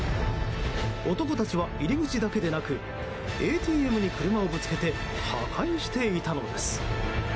男たちは入り口だけでなくＡＴＭに車をぶつけて破壊していたのです。